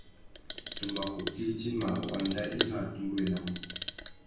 Tu mà kutu idjima wanda i nú atumbéwénamú.